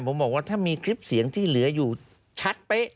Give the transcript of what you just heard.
ผมบอกว่าถ้ามีคลิปเสียงที่เหลืออยู่ชัดเป๊ะ